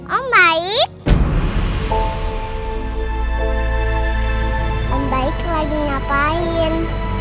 om baik lepasin